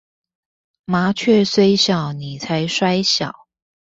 麻雀雖小，你才衰小